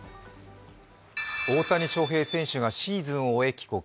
大谷翔平選手がシーズンを終え帰国。